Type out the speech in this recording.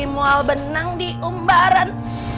mual benang diumbaran